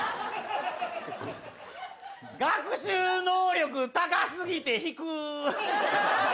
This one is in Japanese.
学習能力高すぎて引く。